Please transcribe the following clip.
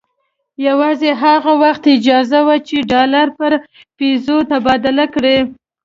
یوازې هغه وخت اجازه وه چې ډالر پر پیزو تبادله کړي.